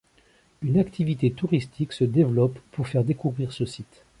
Une activité touristique se développe pour faire découvrir ce site.